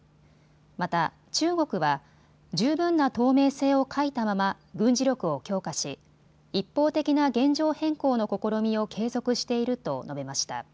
また、中国は十分な透明性を欠いたまま軍事力を強化し一方的な現状変更の試みを継続していると述べました。